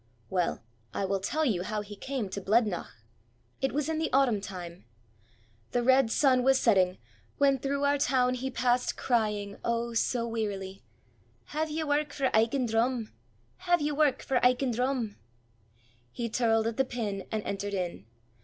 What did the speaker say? Well, I will tell you how he came to Blednoch. It was in the Autumn time. The red sun was setting, when through our town he passed crying, oh! so wearily: "Have ye work for Aiken Drum? Have ye work for Aiken Drum?" He tirled at the pin, and entered in.